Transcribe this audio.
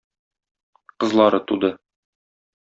Кызлары туды.